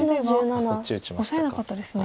オサえなかったですね。